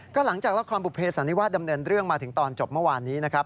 ก็หลังจากละครบุเภสันนิวาสดำเนินเรื่องมาถึงตอนจบเมื่อวานนี้นะครับ